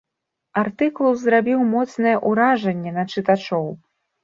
Артыкул зрабіў моцнае ўражанне на чытачоў.